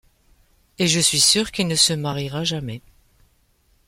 Et je suis sûr qu'il ne se mariera jamais.